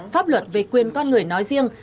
pháp luật về quyền con người nói riêng